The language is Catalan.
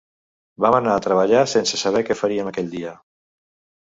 Vam anar a treballar sense saber què faríem aquell dia.